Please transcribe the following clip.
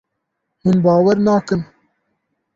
Hûn bawer nakin.